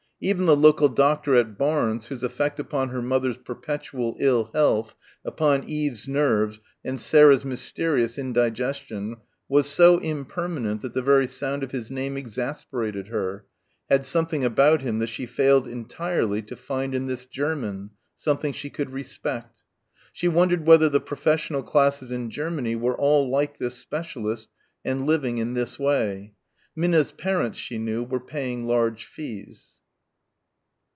Even the local doctor at Barnes whose effect upon her mother's perpetual ill health, upon Eve's nerves and Sarah's mysterious indigestion was so impermanent that the very sound of his name exasperated her, had something about him that she failed entirely to find in this German something she could respect. She wondered whether the professional classes in Germany were all like this specialist and living in this way. Minna's parents she knew were paying large fees.